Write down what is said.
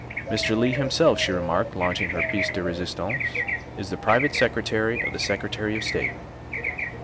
11 Mr. Leigh himself," she remarked, launching her piece de resistance, " is the private secretary of the Sec retary of State.